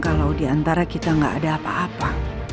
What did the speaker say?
kalau diantara kita nggak ada apa apa